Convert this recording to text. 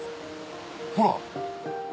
ほら！